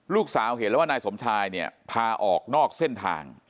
ลูกสาวเห็นแล้วว่านายสมชายเนี่ยพาออกนอกเส้นทาง